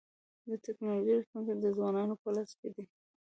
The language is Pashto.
د ټکنالوژۍ راتلونکی د ځوانانو په لاس کي دی.